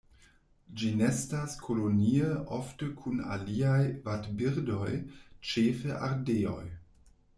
Ĝi nestas kolonie ofte kun aliaj vadbirdoj ĉefe ardeoj.